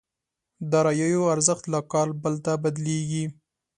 داراییو ارزښت له کال بل ته بدلېږي.